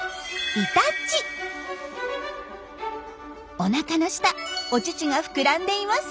おなかの下お乳が膨らんでいます。